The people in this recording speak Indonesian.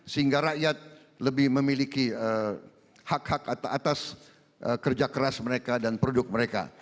sehingga rakyat lebih memiliki hak hak atas kerja keras mereka dan produk mereka